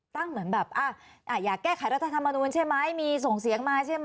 เหมือนแบบอยากแก้ไขรัฐธรรมนูลใช่ไหมมีส่งเสียงมาใช่ไหม